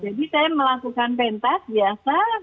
jadi saya melakukan pentas biasa